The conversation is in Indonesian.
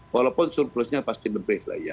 walaupun surplus nya pasti lebih lah ya